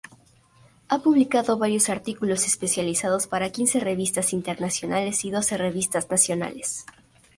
Ha publicado varios artículos especializados para quince revistas internacionales y doce revistas nacionales.